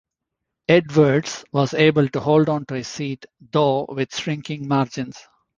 Edwards was able to hold onto his seat, though with shrinking margins.